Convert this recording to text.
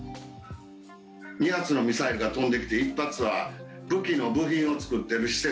２発のミサイルが飛んできて１発は武器の部品を作っている施設